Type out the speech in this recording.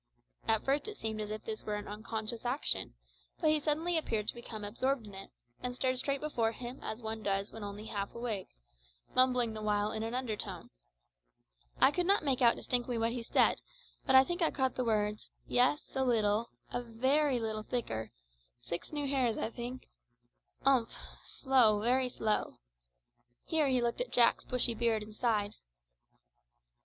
At first it seemed as if this were an unconscious action, but he suddenly appeared to become absorbed in it, and stared straight before him as one does when only half awake, mumbling the while in an undertone. I could not make out distinctly what he said, but I think I caught the words, "Yes, a little a very little thicker six new hairs, I think umph! slow, very slow." Here he looked at Jack's bushy beard and sighed.